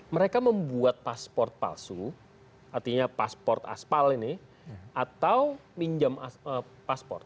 mereka membuat pasport palsu artinya pasport aspal ini atau pinjam paspor